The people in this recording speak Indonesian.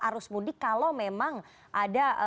arus mudik kalau memang ada